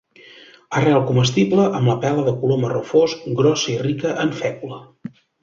Arrel comestible, amb la pela de color marró fosc, grossa i rica en fècula.